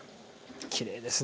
きれいですね。